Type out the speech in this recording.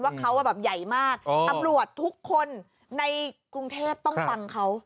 ว่าเขาแบบใหญ่มากตำรวจทุกคนในกรุงเทพต้องฟังเขา